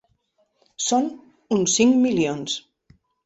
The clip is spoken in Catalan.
Són uns cinc milions.